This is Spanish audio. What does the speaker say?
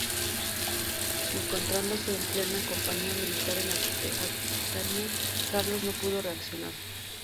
Encontrándose en plena campaña militar en Aquitania, Carlos no pudo reaccionar.